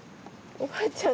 おばあちゃん